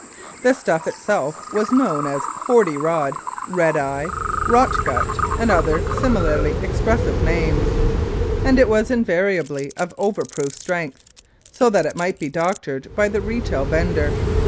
The stuff itself was known as "Forty Rod," "Red Eye," "Rot Gut," and other similarly expressive names, and it was invariably of overproof strength, so that it might be doctored by the retail vendor.